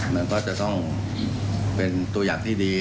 มันก็จะต้องเป็นตัวอย่างที่ดี